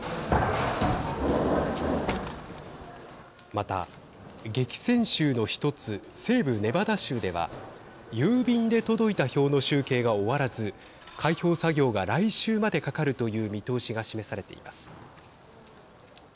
また、激戦州の１つ西部ネバダ州では郵便で届いた票の集計が終わらず開票作業が来週までかかるという見通しが示されています。